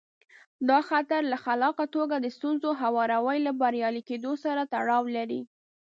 دا خطر له خلاقه توګه د ستونزو هواري له بریالي کېدو سره تړاو لري.